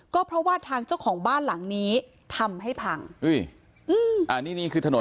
ก็เพราะว่าทางเจ้าของบ้านหลังนี้ทำให้พังอุ้ยอืมอ่านี่นี่คือถนน